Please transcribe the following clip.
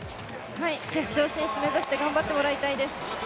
決勝進出目指して頑張ってもらいたいです。